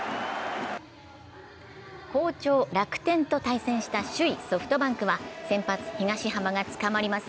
好調・楽天と対戦した首位ソフトバンクは先発・東浜がつかまります。